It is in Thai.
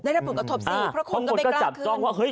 ได้แล้วผลกระทบสิเพราะคุณก็ไม่กล้าขึ้น